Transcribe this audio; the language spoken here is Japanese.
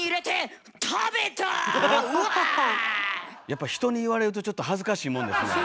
やっぱ人に言われるとちょっと恥ずかしいもんですね